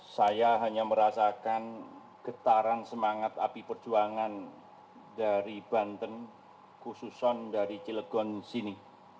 saya hanya merasakan getaran semangat api perjuangan dari banten khususon dari cilegon sini